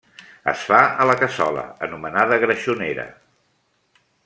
Es fa a la cassola, anomenada greixonera.